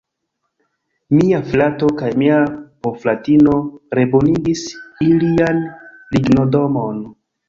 Mia frato kaj mia bofratino rebonigis ilian lignodomon.